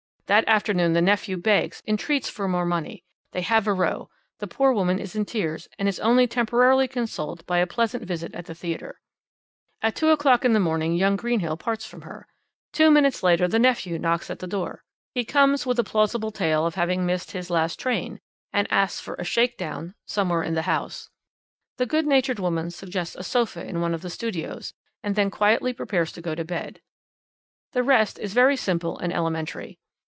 That afternoon the nephew begs, entreats for more money; they have a row; the poor woman is in tears, and is only temporarily consoled by a pleasant visit at the theatre. "At 2 o'clock in the morning young Greenhill parts from her. Two minutes later the nephew knocks at the door. He comes with a plausible tale of having missed his last train, and asks for a 'shake down' somewhere in the house. The good natured woman suggests a sofa in one of the studios, and then quietly prepares to go to bed. The rest is very simple and elementary.